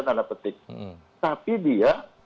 tanda petik tapi dia